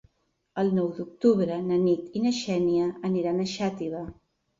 El nou d'octubre na Nit i na Xènia aniran a Xàtiva.